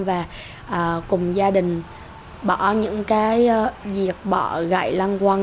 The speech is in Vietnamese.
và cùng gia đình bỏ những cái việc bỏ gậy lăng quăng